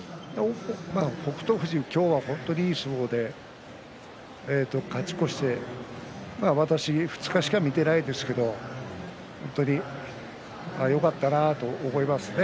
北勝富士、今日は本当にいい相撲で勝ち越して私、一度しか見ていませんけれども本当によかったなと思いますね。